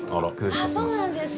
あそうなんですか。